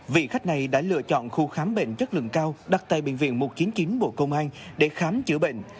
vị khách này đã lựa chọn khu khám bệnh chất lượng cao đặt tại bệnh viện một trăm chín mươi chín bộ công an để khám chữa bệnh